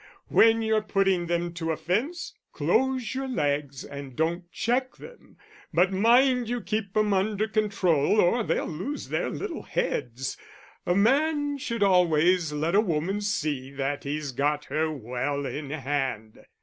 When you're putting them to a fence, close your legs and don't check them; but mind you keep 'em under control or they'll lose their little heads. A man should always let a woman see that he's got her well in hand."